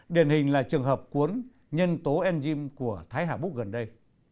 điển hình là trường hợp cuốn nhân tố enzyme của thái hạ búc gần đây